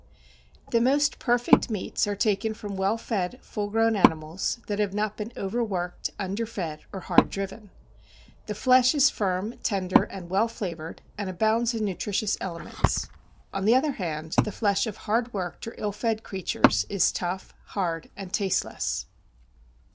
The most perfect meats are taken from well fed, full grown animals, that have not been over worked, under fed, or hard driven; the flesh is firm, tender, and well flavored, and abounds in nutritious elements. On the other hand, the flesh of hard worked or ill fed creatures is tough, hard, and tasteless.